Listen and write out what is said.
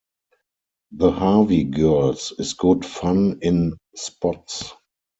"The Harvey Girls" is good fun in spots.